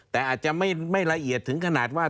แต่อาจจะไม่ละเอียดถึงขนาดว่า